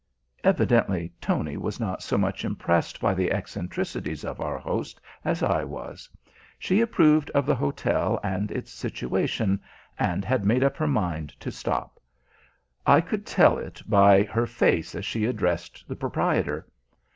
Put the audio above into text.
Evidently Tony was not so much impressed by the eccentricities of our host as was I. She approved of the hotel and its situation, and had made up her mind to stop. I could tell it by her face as she addressed the proprietor.